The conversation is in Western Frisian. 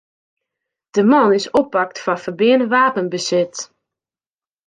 De man is oppakt foar ferbean wapenbesit.